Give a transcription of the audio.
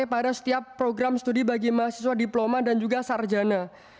pada setiap program studi bagi mahasiswa diploma dan juga sarjana